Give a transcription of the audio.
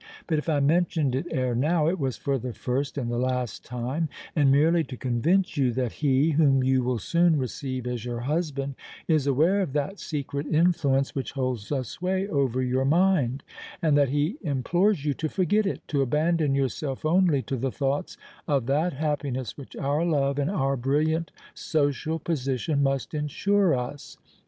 But if I mentioned it ere now—it was for the first and the last time—and merely to convince you that he, whom you will soon receive as your husband, is aware of that secret influence which holds a sway over your mind; and that he implores you to forget it—to abandon yourself only to the thoughts of that happiness which our love and our brilliant social position must ensure us.